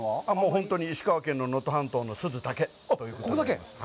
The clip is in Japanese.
本当に石川県の能登半島の珠洲だけということになります。